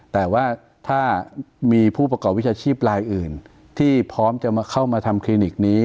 แต่ว่าถ้ามีผู้ประกอบวิชาชีพลายอื่นที่พร้อมจะเข้ามาทำคลินิกนี้